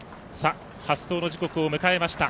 発走の時刻を迎えました。